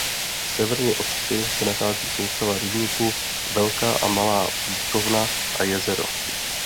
Severně od vsi se nachází soustava rybníků Velká a Malá Pískovna a Jezero.